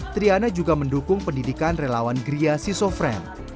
triana juga mendukung pendidikan relawan griaski zofren